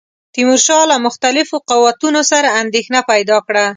تیمورشاه له مختلفو قوتونو سره اندېښنه پیدا کړه.